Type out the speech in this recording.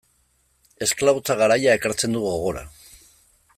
Esklabotza garaia ekartzen du gogora.